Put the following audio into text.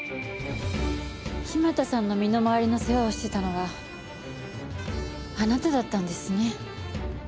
木俣さんの身の周りの世話をしてたのはあなただったんですね。